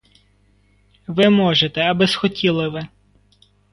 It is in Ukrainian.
Ви можете, аби схотіли ви.